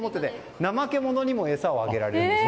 ナマケモノにも餌をあげられます。